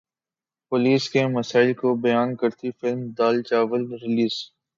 police کے مسائل کو بیان کرتی فلم دال چاول ریلیز